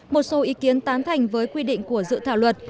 một số ý kiến tán thành với quy định của dự thảo luật